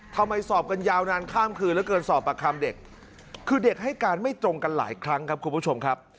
ทำไมสอบกันยาวนานข้ามคืนเหลือเกินสอบประคำเด็กคือเด็กให้การไม่ตรงกันหลายครั้งครับคุณผู้ชมครับ